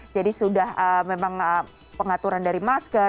jadi sudah memang pengaturan dari masker